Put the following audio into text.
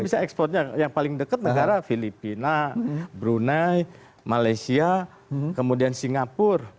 bisa ekspornya yang paling dekat negara filipina brunei malaysia kemudian singapura